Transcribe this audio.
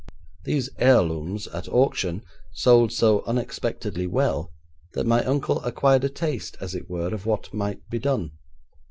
These heirlooms at auction sold so unexpectedly well, that my uncle acquired a taste, as it were, of what might be done.